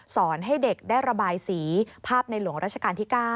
สอนให้เด็กได้ระบายสีภาพในหลวงราชการที่๙